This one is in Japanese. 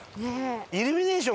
イルミネーション